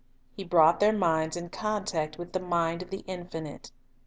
He brought their minds in contact with the mind of the Infinite.